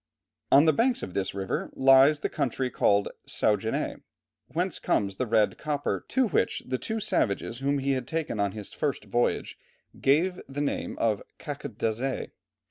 On the banks of this river lies the country called Saguenay, whence comes the red copper, to which the two savages whom he had taken on his first voyage gave the name of caquetdazé.